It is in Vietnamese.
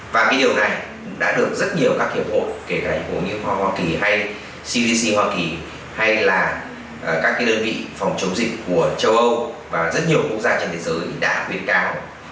và cái điều này đã được rất nhiều các hiệp hội kể cả hội hoa kỳ hay cdc hoa kỳ hay là các đơn vị phòng chống dịch của châu âu và rất nhiều quốc gia trên thế giới đã khuyến cáo